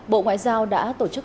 bộ ngoại giao đã tổ chức